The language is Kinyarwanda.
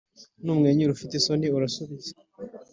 numwenyura ufite isoni urasubiza,